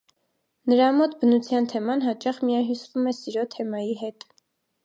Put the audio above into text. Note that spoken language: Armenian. Նրա մոտ բնության թեման հաճախ միահյուսվում է սիրո թեմայի հետ։